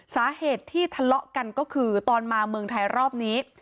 สาเหตุที่ทะเลาะกันก็คือตอนมาเมืองไทยรอบนี้